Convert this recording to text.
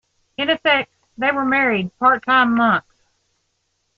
In effect, they were married, part-time monks.